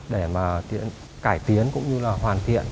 để cải tiến cũng như hoàn thiện